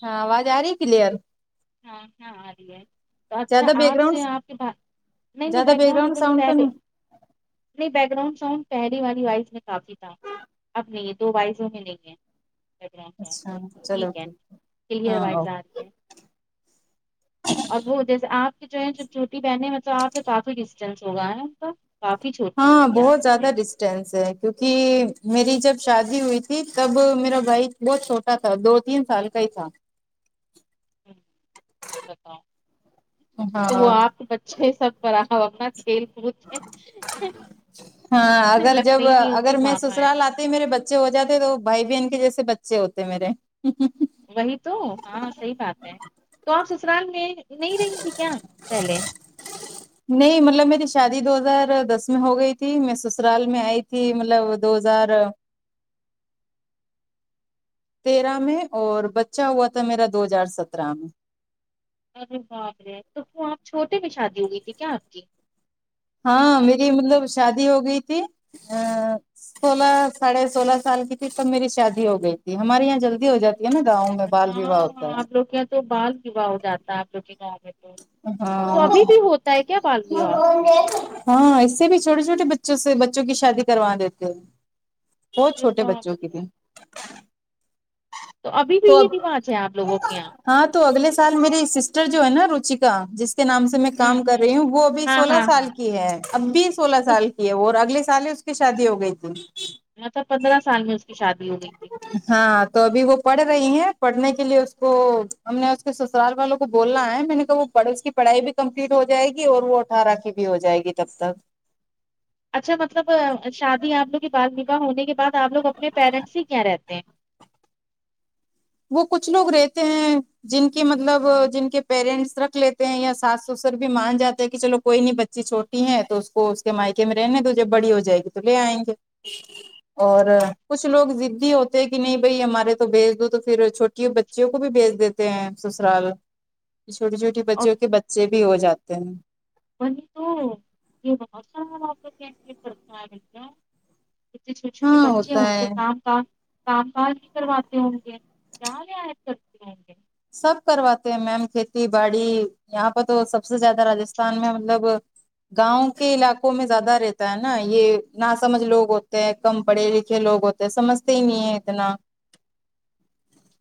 ہاں آواز آ رہی ہے کلیئر ہاں ہاں آ رہی ہے تو اچھا زیادہ بیک آپ گراؤنڈ سے آپ کے بعد نہیں نہیں زیادہ بیک گراؤنڈ ب [unintelligible] کل ساؤنڈ تو پہلے نہیں نہیں بیک گراؤنڈ ساؤنڈ پہلی والی وائز میں کافی تھا اب نہیں ہے دو وائیسوں میں نہیں ہے اچھا چلو ٹھیک ہے کلیر ہاں وائز اوکے۔ آ رہی ہے اور وہ جیسے آپ کے جو ہے چوٹی بہن ہے مطلب آپ سے کافی ڈسٹینس ہوگا یہاںپر کافی چھو ہاں بہت زیادہ ڈس چائنسے کیونکی میری جب شادی ہوئی تھی تب میرا بھائی بہت چھوٹا تھا دو تین سال کا ہی تھا [inaudible] تو وہ ہاں آپ کے بچے سب کرا اپنا کھیل کود ہاں اگر لگتے جب ہی نہیں ہو کہ اگر میں ماما ہے سسرال میرے بچے ہو جاتے تو بھائی بہن کے جیسے بچے ہوتے میرے وہی تو ہاں صحیح بات ہے تو آپ سسرال میں نہیں رہینگی کیا پہلے نہیں ملب میری شادی دو ہزار دس میں ہو گئی تھی میں سسرال میں آئی تھی ملب دو ہزار تیرہ میں اور بچہ ہوا تھا میرا دو ہزار سترہ میں ارے باپرے تو تو آپ چھوٹے میں شادی ہوگی تھی کیا آپ کی ایک ہاں دم میری مطلب شادی ہو گئی تھی ا سولہ ساڑھے سولہ سال کی تھی تب میری شادی ہو گئی تھی ہمارے یہاں جلدی ہو جاتی ہے نا ارے گاؤں باپ میں رے بال وواہ ہوتا ہاں ہے آپ لوگ کے یہاں تو بال وواہ ہو جاتا ہے آ [unintelligible] لوگ کے گاؤں میں تو تو ہاں ابھی بھی ہوتا ہے کیا بال وواہ ہاں اس سے بھی چھوٹے چھوٹے بچوں سے بچوں کی شادی کروا دیتے ہیں بہت ارے چھوٹے باپ بچوں کے رے بل تو ابھی بھی یہ رواج ہے آپ لوگوں کے یہاں ہاں تو اگلے سال میری سسٹر جو ہے نا روچیکا جس کے نام سے میں کام کر رہی ہوں وہ بھی ہاں سولہ ہاں سال ہاں کی کی ہے اب بھی سولہ سال اس کی ہے وہ اور اگلے سال ہی اس کی شادی ہو گئی تھی یہاں تو پندرہ سال میں اس کی شادی ہو گئی تھی ہاں تو ابھی وہ پڑھ رہی ہیں پڑھنے کے لیے اس کو ہم نے اس کے سرال والوں کو بولنا ہے میں نے کہا وہ پڑوس کی پڑھائی بھی کمپلیٹ ہو جائے گی اور وہ اٹھارہ کی بھی ہو جائے گی تب تک اچھا مطلب شادی آپ لوگ کے بال ویوہ ہونے کے بعد آپ لوگ اپنے پیرنٹس ہی کیا رہتے ہیں وہ کچھ لوگ رہتے ہیں جن کے مطلب جن کے پیرنٹس رکھ لیتے ہیں یا ساس سسر بھی مان جاتے ہیں کہ چلو کوئی نہیں بچی چھوٹ ٹی ہیں تو اس کو اس کے مائکے میں رہنے تو جب بڑی ہو جائے گی تو لے آئیں گے [unintelligible] اور کچھ لوگ ضدی ہوتے کہ نہیں بھائی ہمارے تو بیج دود پھر چھوٹی بچوں کو بھی بیج دیتے ہیں سسرال چھوٹی چھوٹی اور بچوں کے بچے بھی ہو جاتے ہیں بند تو یہا کرتا رہ ج چھوٹی چھوٹی ہاں بچے ہیں ہوتا ان سے ہے کام کام کام کاج ہی کرواتے ہوں گے کیا رعایت کرتے ہوں گے سب کرواتے ہیں میم کھیتی باڑی یہاں پر تو سب سے زیادہ رجستھان میں مطلب گاؤں کے علاقوں میں زیادہ رہتا ہے نا یہ نا سمجھ لوگ ہوتے ہیں کم پڑھے لکھے لوگ ہوتے تو سمجھتے ہی نہیں ہے اتنا [unintelligible]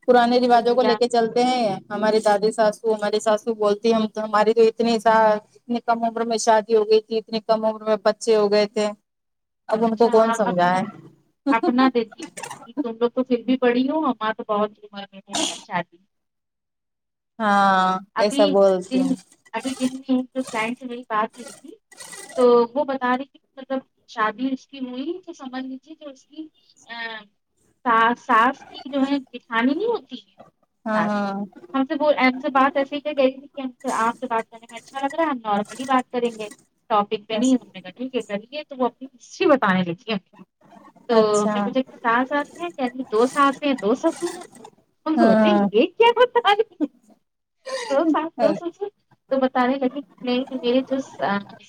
پرانے اگر رواجوں کو بولا لے کے چلتے ہیں ہماری دادی ساسو ہماری ساسو بولتی ہم تو ہماری تو اتنی س اتنی کم عمر میں شادی ہو گئی تھی اتنی کم عمر میں بچے ہو گئے تھے اب ان کو اچھا کون ہاں اپنا سمجھائے اپنا دیتی کہ تم لوگ تو پھر بھی پڑی ہو ہمار تو بہت ہیم میںٹ کی شادی ہاں ابھی ایسا بولتی دن ہیں ابھی دن میں فرینڈ سے میری بات ہوئی تھی تو وہ بتا رہی کہ مطلب شادی اس کی ہوئی تو سمجھ لیجیے جو اس کی ا ساس کی جو ہے جیٹھانی نہیں ہوتی ہے ہاں ا ہاں ہم سے بول رہے ہیں سے بات گئی کہ آپ سے بات کرنے میں اچھا لگ رہا ہے ہم نارملی بات کریں گے ٹاپک پہ نہیں ہم نے گٹل کے کر لی ہے تو وہ اپنی ہسٹری بتانے دھیے تو ہم نے اچھا مجھے سات ساتھ ہیں یعنی دو ساتس ہیں دو سسور ہیں تم سمجھ ہاں رہی ہو دو ساس دو سسر تو بتانے لگے کہ نہیں میرے جو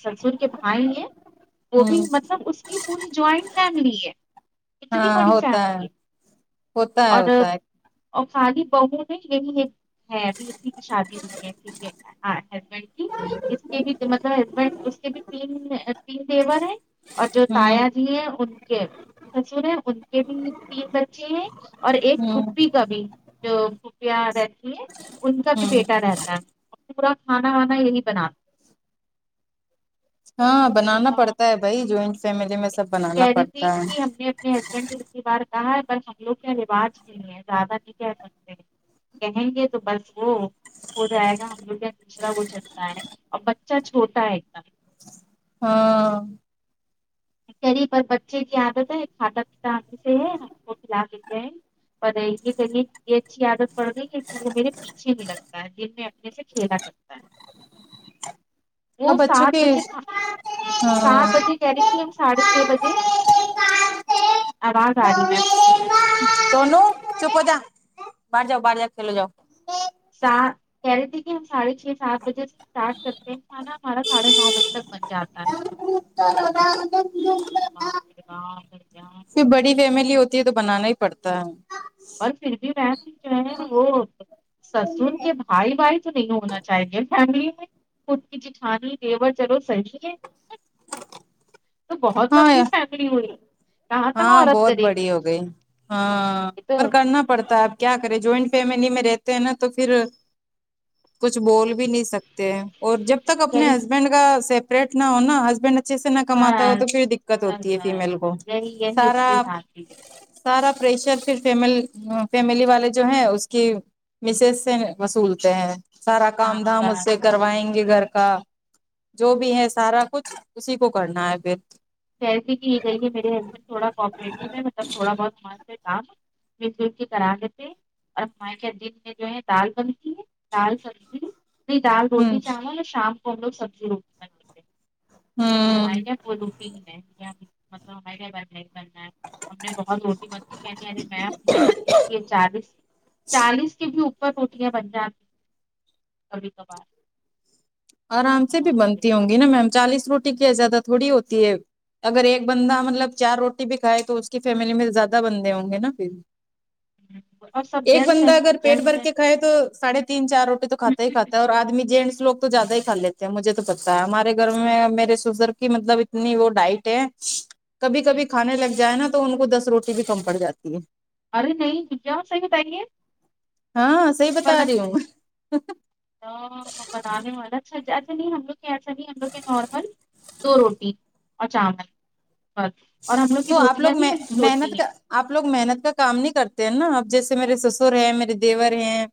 سسور کے بھائی ہیں وہ ہ بھی مطلب اس کی پوری جوائنٹ فیملی ہے اتنی ہاں بڑی ہوتا فیملی ہے ہوتا ہے اور ہوتا ہے اور خالی بہ میں یہی ہے ابھی اسی کی شادی ہو ہے ٹھیک ہے نہ ہسبنڈ کی اس کے بھی مطلب ہسبینڈ اس کے بھی تین تین دیور ہیں اور جو ہوں تایا جی ہیں ان کے سسر ہیں ان کے بھی تین بچے ہیں اور ایک ہوں کھپپی کبھی جو پھپیاں رہتی ہے ان کا بھی ہوں بیٹا رہتا ہے اور پورا کھانا وانا یہی بناتا ہاں ہے۔ ارے بنانا پڑتا باپ ہے رے بھائی جوائنٹ فیملی میں سب کہہ بنانا رہی تھی پڑتا ہے کہ ہم نے اپنے نے اتی بار کہا ہے بس ہم لوگ کے یہ رواج نہیں ہے زیادہ نہیں کہہ سکتے کہیں گے تو بس وہ ہو جائے گا ہم لگ دوسرا وہ چلتا ہے اور بچہ چھوٹا ہے ایک دم ہاں قری پر بچے کی عادت ہے کھاتا پیتا ہم سے ہے ہم کو کھلا لیتے ہیں اور یہ کہے یہ اچھی عادت پڑ گئی کہ میرے اچھے بھی لگتا ہے دن میں اپنے سے کھیلا کرتا ہے اب وہ بچوں سات کی بجے ک ہاں سات بجے کیری ساڑھے چھ بجے آواز آ رہی میں سونو چپ ہوجا باہر جاؤ باہر جاؤ کھیلو جاؤ س کہہ رہی تھی کہ ہم ساھے چھ سات بجے سے اسٹارٹ کرتے ہیں کھانا ہمارا ساڑھے نو بجے تک بن جاتا ہے [unintelligible] باپ رے باپ بڑی فیملی ہوتی ہے تو بنانا ہی پڑتا ہے اور پھر بھی وہ جو ہے وہ سسون کے بھائی بھائی تو نہیں ہونا چاہیے فیملی میں خود کی جٹھانی دیور چلو سحج ہے تو بہت زی ہاں شائیدری ہونی ہاں بہت بڑی ہو گئی ہاں یہ تو پر کرنا پڑتا ہے آپ کیا کرے جوائنٹ فیملی میں رہتے ہیں نا تو پھر کچھ بول بھی نہیں سکتے اور جب تک کہہ اپنے رہی، ہسبینڈ کا سیپریٹ نہ ہوناا ہسبینڈ اچھے سے نہ کماتا ہو تو بس پھر دقت بس ہوتی ہے بس فیمیل کو یہی یہی اس سارا کے ساتھ ہی سارا پریشر پھر فم فیملی والے جو ہیں اس کی مسز سے وصولتے ہیں سارا کام ہاں دھام اس بس سے کروائیں گے گھر کا جو بھی ہے سارا کچھ اسی کو کرنا ہے پھر کیسے کی یہ گئی ہے میرے ہسبینڈ تھوڑا کوپریٹیو ہے مطلب تھوڑا بہت م کام دیکھ دیکھ کی کرا دیتے اور مائ کیا دن میں جو ہے دال بنتی ہے دال سبزی نہیں دال روٹی ہوں چاول شام کو ہم لوگ سبزی روٹی بناتے ہیں آ ہوں کیا بولو ہے بانی مطلب ہم بن بننا ہے ہم نے بہت روٹی متی کہنی ارے میں یہ نہ پوچھیے چالیس چالیس کے بھی اوپر بھی بن جاتی ہےکبھی کبھار آرام سے بھی ہمارے لیے۔ بنتی ہوں گی نا میم چالیس روٹی کی زیادہ تھوڑی ہوتی ہے اگر ایک بندہ مطلب چار روٹی بھی کھائے تو اس کی فیملی میں زیادہ بندے ہوں گے نا پھر اور سب ایک جینس ہیں بندہ اگر پیٹ جینس بھر ہیں کے کھائے تو ساڑھے تین چار روٹی تو کھاتا ہی کھاتا ہے اور آدمی جینٹس لوگ تو زیادہ ہی کھا لیتے ہیں مجھے تو پتتا ہے ہمارے گھر میں میرے سزر کی مطلب اتنی وہ ڈائٹ ہے کبھی کبھی کھانے لگ جائے نا تو ان کو دس روٹی بھی کم پڑ جاتی ہے ارے نہیں کیا صحیح بتائیے ہاں صحیح بتا رہی ہوں تو بنانے والا اچھا ایسا نہیں ہم لوگ ایسا نہیں ہم لوگ کے نارمل دو روٹی اور چاول اور اور ہم لوگ کی تو آپ روٹیاں بھی میں ان کی ہوتی محنت کا ہیں آپ لوگ محنت کا کام نہیں کرتے ہیں نا اب جیسے میرے سسر ہیں میرے دیور ہیں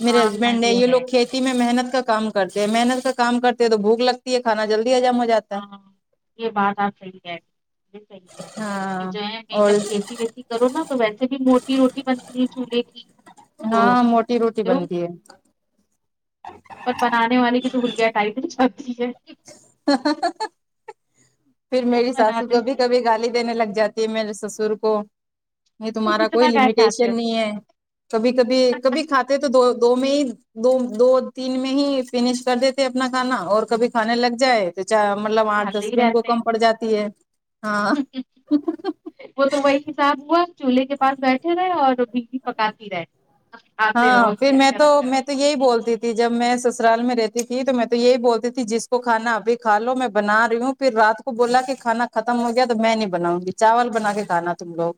میرے ہاں ہاں، ہسبینڈ نے یہ ہے لوگ میں محنت کام کرتے ہیں محنت کام کرتے ہیں تو بھوک لگتی ہے کانا جلدی اجم ہو جاتا ہے ہاں یہ بات آپ صحیح کہہ رہی صحیح کہے رہی ہے یہ ہاں جو ہے اور جب کھیتی کہتی کرو نا تو ویسے بھی موٹی روٹی بنتی ہے چولہے کی تو ہاں موٹی روٹی جو، بنتی ہے اور بنانے والے کی تولیا ٹائپ کی سبزی ہے پھر میری ساسو بناتے کبھی ہیں کبھی گالی دینے لگ جاتی ہے میرے سسر کو نہیں تو تمہارا کوئی اتنا کیا کھاتے ہو لمیٹیشن نہیں ہے کبھی کبھی کبھی کھاتے تو دو دو میں ہی دو دو تین میں ہی فینش کر دیتے اپنا کھانا اور کبھی کھانے لگ جائے تو مطلب آٹھ کھاتے دس ہی دن کو رہتے کم ہیں پڑ جاتی ہے ہاں وہ تو وہی حساب ہوا چولہے کے پاس بیٹھے رہے اور بیی پکاتی رہے کھاتے ہاں رہو پھر کیا میں تو گرم میں گرم تو یہی بولتی تھی کی جب میں سسرال میں رہتی تھی تو میں تو یہی بولتی تھی جس کو کھانا ابھی کالو میں بنا رہی ہوں پھر رات کو کو بولا کہ کھانا ختم ہو گیا تو میں نہیں بناؤں گی چاول بنا کے کھانا تم لوگ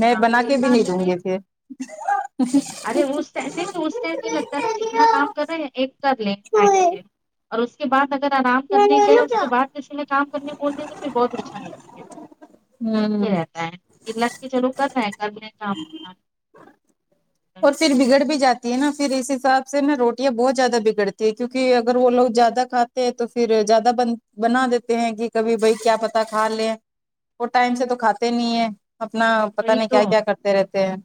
میں ہاں بنا صحیح کے بھی نہیں بات ہے دوں بھائی گی پھر ارے اس ٹائم نہیں تو اس ٹائم نہیں لگتا ہے نا جتنا کام کر رہے ہیں ایک کر لیں ٹائم سے اور اس کے بعد اگر آرام کرنے گئے اس کے پھر بعد کسی میں کام کرنے بولتے تو پھر بہت پریشانی ہوتی ہوں ہے کے لے کے چلو کرہے ہے کام اپنا اور بس پھر بگڑ بھی جاتے نا پھر اس حساب سے نا روٹیاں بہت زیادہ بگڑتی ہے کیونک اگر وہ لوگ زیادہ کھاتے تو پھر زیادہ بن بنا دیتے ہیں کہ کبھی بھائی کیا پتا کھا لے وہ ٹائم سے تو کھاتے نہیں ہیں اپنا پتہ وہی نہیں تو کیا کیا کرتے رہتے ہیں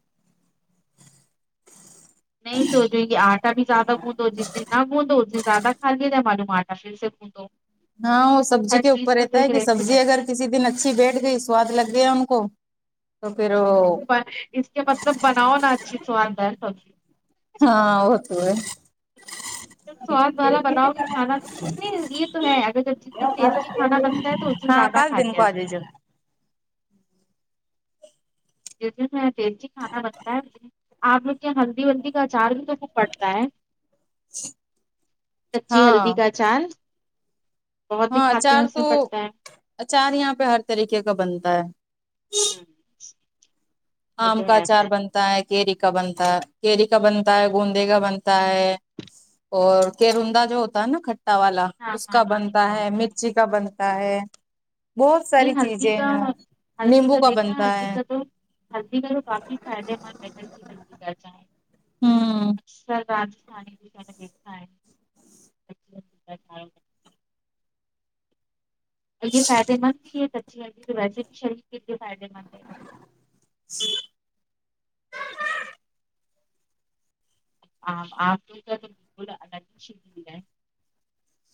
نہیں تو جوو کہ آٹا بھی زیادہ گوندو جسے نہ گوندو اسے زیادہ کھا لیا جاۓ معلوم آٹا [unintelligible] ہاں وہ سبزی ہر کے چیز اوپر کا تو رہتا ہے ایک کہ ریشو سبزی رہتا اگر ہے کسی دن اچھی بیٹھ گئی سواد لگ گیا ان کو تو پھر پر اس کے مطلب بناؤ نا اچھی سواد ہے سبزی ہاں وہ تو ہے سواد والا بناؤ گے کھانا نہیں یہ تو ہے اگر جتنی ٹیسٹی کھانا بنتا ہے تو ہاں زیادہ کل کھا دن لیا کو آ جائیے جس دن ٹیسٹی کھانا بنتا ہے آپ لوگ کے یہاں ہلدی ولدی کا اچار بھی تو پڑتا ہے کچی ہاں ہلدی کا اچار بہت ہاں دکھاتے ہیں اچار اس سے تو پڑتا ہے اچار یہاں پہ ہر طریقے کا بنتا ہے ہمم آم کا اچار بنتا ہے کیری کا بنتا ہے کیری کا بنتا ہے گوندے کا بنتا ہے اور کیرندا جو ہوتا ہے نا کھٹا والا ہاں اس ہاں کا ہاں بنتا دکھاؤں۔ ہے مرچی کا بنتا ہے بہت ساری نہیں ہلدی چیزیں کا ہیں ہلدی نیمبو کا دیکھنا بنتا ہلدی ہے کا تو ہلدی کا تو کافی فائدے مند ہے کچی ہلدی کا جو ہوں اکثر رات [unintelligible] یہ فائدے مند بھی ہے کچی ہلدی کی تو ویسے بھی شریر کے لیے فائدہ مند ہے [inaudible] [unintelligible]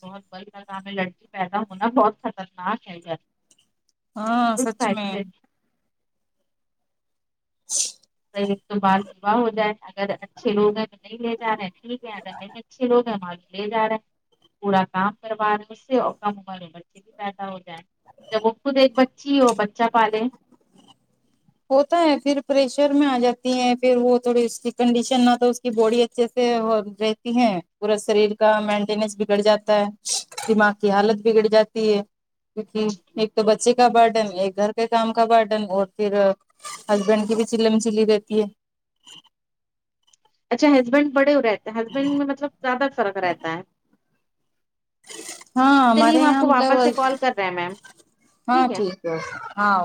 بہت صبر کا کام ہے لڑکی پیدا ہونا بہت خطرناک ہے لڑ ہاں سچ میں ایک تو بال وواہ ہو جائے اگر اچھے لوگ ہیں تو نہیں لۓ جا رہے ہیں ٹھیک ہے اگر نہیں اچھے لوگ ہیں ما لے جا رہے ہیں پورا کام کروا رہے ہیں اس سے اور کم امر میں بچے بھی پیدا ہو جاے جب وہ خود ایک بچی وہ بچہ پالے ہوتا ہے پھر پریشر میں آ جاتی ہیں پھر وہ تھوڑی اس کی کنڈیشن نہ تو کی باڈی اچھے سے رہتی ہے پورا شریر کا مینٹیننس بگڑ جاتا ہے دماغ کی حالت بگڑ جاتی ہے کیونکہ ایک تو بچے کا برڈن ایک گھر کے کام کا برڈن اور پھر ہسبینڈ کی بھی چیلم چلی رہتی ہے اچھا ہسبینڈ بڑے رہتے ہیں ہسبینڈ میں مطلب زیادہ فرق رہتا ہے ہاں چلیے ہمارے آپ یہاں کو ہم واپس سے لوگ کال کر رہے ہیں میم ہاں ٹھیک ہے ہاں